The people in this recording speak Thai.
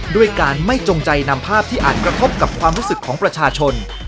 ด้วยการไม่จงใจนำภาพที่อาจกระทบกับความรู้สึกของประชาชน